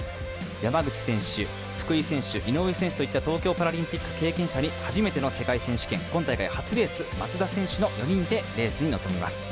山口選手、福井選手井上選手といった東京パラリンピック経験者に初めての世界選手権今大会初レース松田選手の４人でレースに臨みます。